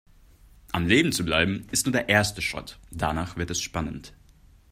Am Leben zu bleiben ist nur der erste Schritt, danach wird es spannend.